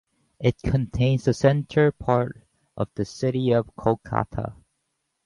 It contains the centre part of the city of Kolkata.